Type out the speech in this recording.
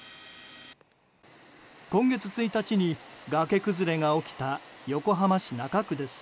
今月１日に崖崩れが起きた横浜市中区です。